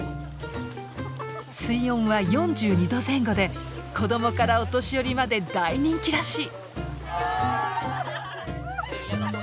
水温は４２度前後で子供からお年寄りまで大人気らしい。